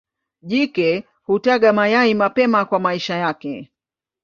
Jike hutaga mayai mapema kwa maisha yake.